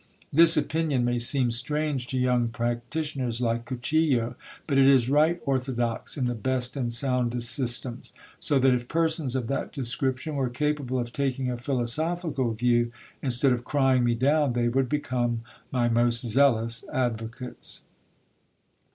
This opinion may seem strange to young practitioners like Cuchillo ; but it is right orthodox in the best and soundest systems : so that if persons of that description were capable of taking a philosophical view, instead of crying me down, they would become my most zealous advocates.